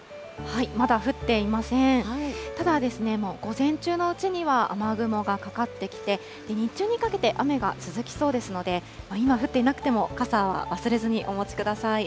ただ、もう午前中のうちには、雨雲がかかってきて、日中にかけて雨が続きそうですので、今降っていなくても、傘は忘れずにお持ちください。